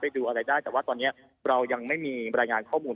ดูอะไรได้แต่ว่าตอนนี้เรายังไม่มีรายงานข้อมูล